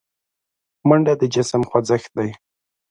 منډه د جسم خوځښت دی